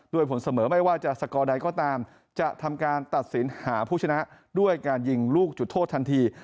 ผลเสมอไม่ว่าจะสกอร์ใดก็ตามจะทำการตัดสินหาผู้ชนะด้วยการยิงลูกจุดโทษทันที